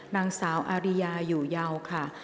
นางสาวอาริยาอยู่เยาค่ะ